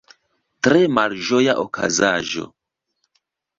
Tre malĝoja okazaĵo.